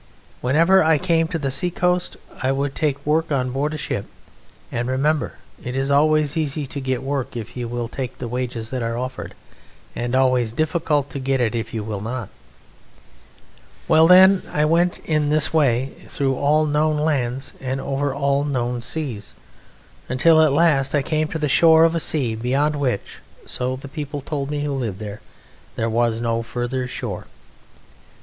Whenever I came to the seacoast I would take work on board a ship and remember it is always easy to get work if you will take the wages that are offered, and always difficult to get it if you will not. Well, then, I went in this way through all known lands and over all known seas, until at last I came to the shore of a sea beyond which (so the people told me who lived there) there was no further shore.